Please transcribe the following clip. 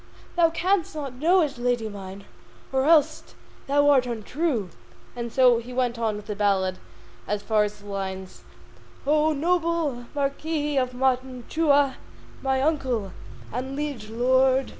Thou canst not know it, lady mine, Or else thou art untrue. And so he went on with the ballad as far as the lines: O noble Marquis of Mantua, My Uncle and liege lord!